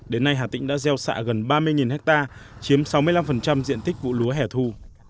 đến nay hà tĩnh đã gieo xạ gần ba mươi ha chiếm sáu mươi năm diện tích vụ lúa hẻ thu